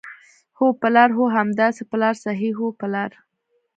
هو، پلار، هو همداسې پلار صحیح وو، پلار.